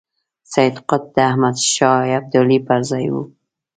سید قطب د احمد شاه ابدالي پر ځای وو.